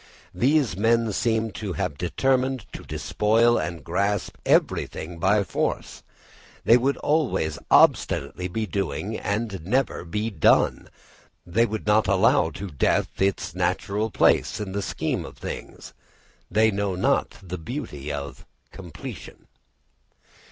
These men seem to have determined to despoil and grasp everything by force. They would always obstinately be doing and never be done they would not allow to death its natural place in the scheme of things they know not the beauty of completion.